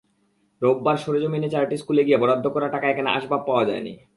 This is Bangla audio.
রোববার সরেজমিনে চারটি স্কুলে গিয়ে বরাদ্দ করা টাকায় কেনা আসবাব পাওয়া যায়নি।